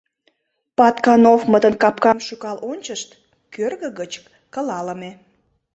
Паткановмытын капкам шӱкал ончышт, кӧргӧ гыч кылалыме.